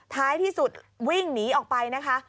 ท้ายที่สุดวิ่งหนีออกไปนะคะ